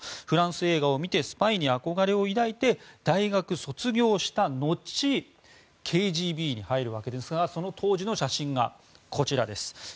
フランス映画を見てスパイに憧れを描いて大学卒業した後ＫＧＢに入るんですがその当時の写真がこちらです。